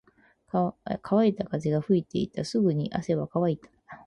乾いた風が吹いていた。すぐに汗は乾いた。